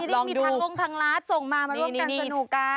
นิดนี่มีทางร้านที่ส่งมามาร่วมกันสนุกกัน